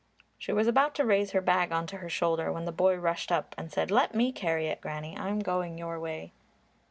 She was about to raise her bag on to her shoulder when the boy rushed up and said, "Let me carry it, Granny; I'm going your way."